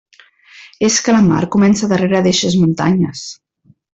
És que la mar comença darrere d'eixes muntanyes.